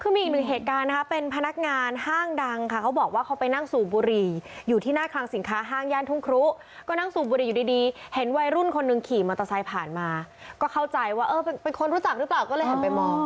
คือมีอีกหนึ่งเหตุการณ์นะคะเป็นพนักงานห้างดังค่ะเขาบอกว่าเขาไปนั่งสูบบุหรี่อยู่ที่หน้าคลังสินค้าห้างย่านทุ่งครุก็นั่งสูบบุหรี่อยู่ดีเห็นวัยรุ่นคนหนึ่งขี่มอเตอร์ไซค์ผ่านมาก็เข้าใจว่าเออเป็นคนรู้จักหรือเปล่าก็เลยหันไปมอง